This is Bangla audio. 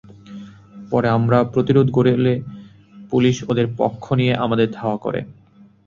পরে আমরা প্রতিরোধ গড়লে পুলিশ ওদের পক্ষ নিয়ে আমাদের ধাওয়া করে।